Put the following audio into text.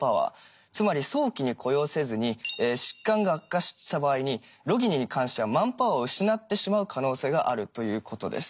つまり早期に雇用せずに疾患が悪化した場合にロギニに関してはマンパワーを失ってしまう可能性があるということです。